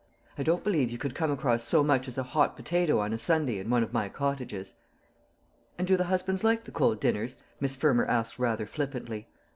I don't believe you could come across so much as a hot potato on a Sunday in one of my cottages." "And do the husbands like the cold dinners?" Miss Fermor asked rather flippantly.